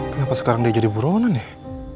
kenapa sekarang dia jadi buronan nih